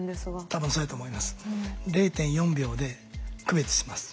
多分そうやと思います。